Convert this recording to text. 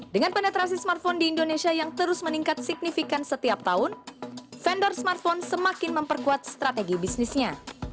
dengan penetrasi smartphone di indonesia yang terus meningkat signifikan setiap tahun vendor smartphone semakin memperkuat strategi bisnisnya